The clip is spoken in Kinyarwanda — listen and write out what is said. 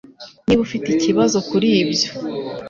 Niba ufite ikibazo kuri ibyo